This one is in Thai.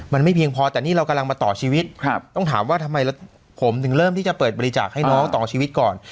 มันไม่เพียงพอแต่นี่เรากำลังมาต่อชีวิตต้องถามว่าทำไมผมถึงเริ่มที่จะเปิดบริจาคให้น้องต่อชีวิตก่อน